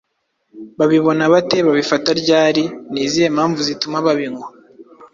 Babibona bate? Babifata ryari? Ni izihe mpamvu zituma babinywa?